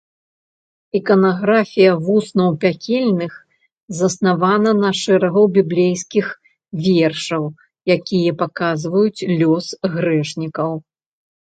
Іканаграфія вуснаў пякельных заснавана на шэрагу біблейскіх вершаў, якія паказваюць лёс грэшнікаў.